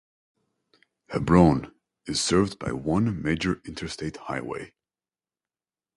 Hebron is served by one major interstate highway.